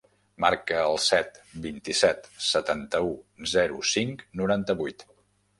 Marca el set, vint-i-set, setanta-u, zero, cinc, noranta-vuit.